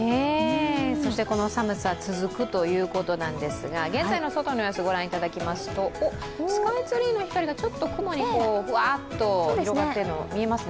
そしてこの寒さ続くということなんですが現在の外の様子ご覧いただきますと、スカイツリーの光がちょっと雲にふわっと広がっているのが見えますね。